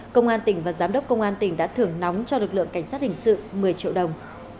công an tỉnh và giám đốc công an tỉnh đã thưởng nóng cho lực lượng cảnh sát hình sự một mươi triệu đồng